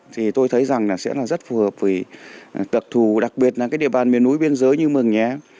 thì tôi thấy rằng là sẽ là rất phù hợp vì tật thù đặc biệt là cái địa bàn miền núi biên giới như mừng nhé